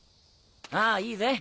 ああいいぜ。